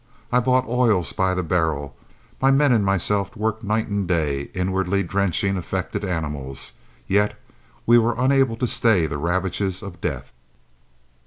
I bought oils by the barrel, my men and myself worked night and day, inwardly drenching affected animals, yet we were unable to stay the ravages of death.